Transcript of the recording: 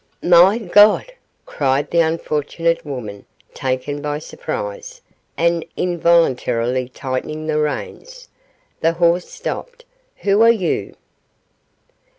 'My God!' cried the unfortunate woman, taken by surprise, and, involuntarily tightening the reins, the horse stopped 'who are you?